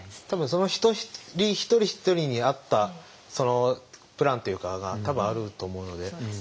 多分その一人一人に合ったプランというかが多分あると思うので。